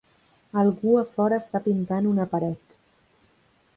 Algú a fora està pintant una paret.